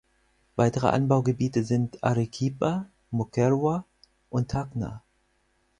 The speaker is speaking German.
Weitere Anbaugebiete sind Arequipa, Moquegua und Tacna.